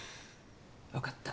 わかった。